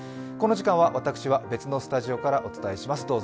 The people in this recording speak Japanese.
この時間は私は別のスタジオからお伝えします。